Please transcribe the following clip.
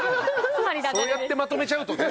そうやってまとめちゃうとね。